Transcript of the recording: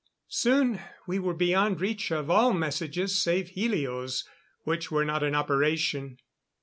Soon we were beyond reach of all messages save helios, which were not in operation.